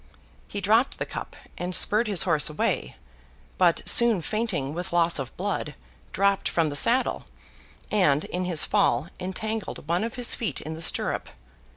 He dropped the cup and spurred his horse away; but, soon fainting with loss of blood, dropped from the saddle, and, in his fall, entangled one of his feet in the stirrup.